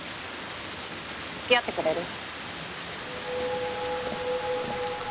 付き合ってくれる？